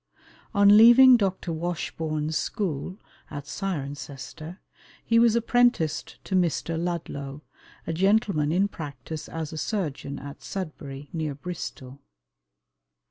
On leaving Dr. Washbourn's school, at Cirencester, he was apprenticed to Mr. Ludlow, a gentleman in practice as a surgeon at Sudbury, near Bristol.